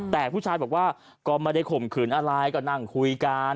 แต่ผู้ชายบอกว่าก็ไม่ได้ข่มขืนอะไรก็นั่งคุยกัน